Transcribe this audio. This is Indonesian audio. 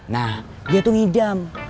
nah dia tuh ngidam